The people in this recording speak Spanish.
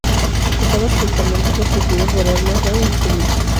Está básicamente constituido por armas, ramas y servicios.